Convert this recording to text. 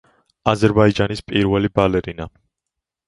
აზერბაიჯანის პირველი ბალერინა.